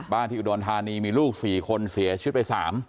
บ้านที่อุดรธานีมีลูก๔คนเสียชุดไป๓